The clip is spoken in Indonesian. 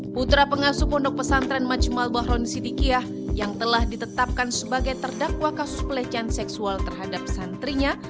putra pengasuh pondok pesantren majmal bahron sidikiah yang telah ditetapkan sebagai terdakwa kasus pelecehan seksual terhadap santrinya